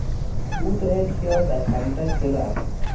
او دو امتیاز از حریفش جلو است.